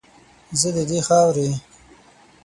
زه ددې خاورې